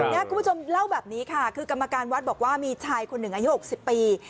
คุณผู้ชมเล่าแบบนี้ค่ะคือกรรมการวัดบอกว่ามีชายคนหนึ่งอายุ๖๐ปี